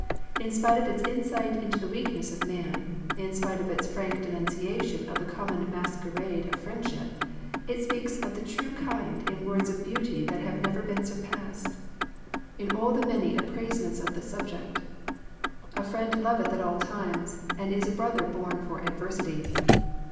In spite of its insight into the weakness of man, in spite of its frank denunciation of the common mas querade of friendship, it speaks of the true kind in words of beauty that have never been surpassed in all the many ap« 37 Digitized by VjOOQIC THE CULTURE OF FRIENDSHIP praisem^nts of this subject. " A friend loveth at all times, and is a brother born for adversity.